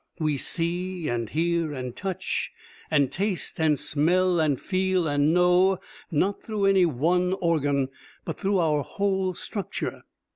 We see and hear and touch and taste and smell and feel and know, not through any one organ, but through our whole structure.